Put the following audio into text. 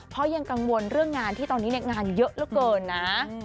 เพราะยังกังวลเรื่องงานที่ตอนนี้งานเยอะเหลือเกินนะ